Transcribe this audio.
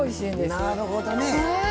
なるほどね。